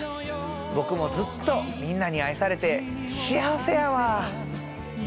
僕もずっとみんなに愛されて幸せやわ。